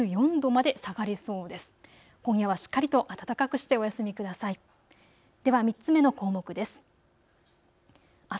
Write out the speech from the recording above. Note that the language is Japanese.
では３つ目の項目です。